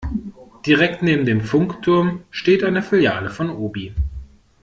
Direkt neben dem Funkturm steht eine Filiale von Obi.